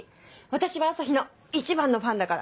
私は朝陽の一番のファンだから。